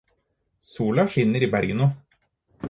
Sola skinner i Bergen nå.